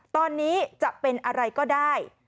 ตอนนี้จะเป็นอะไรก็ได้